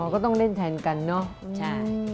อ๋อก็ต้องเล่นแทนกันเนอะ